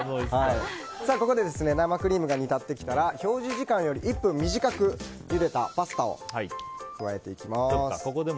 ここで生クリームが煮立ってきたら表示時間より１分短くゆでたパスタを加えていきます。